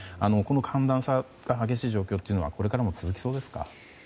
寒暖差が激しい状況というのはこれからも続きそうですか？